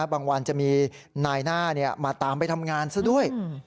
วันจะมีนายหน้ามาตามไปทำงานซะด้วย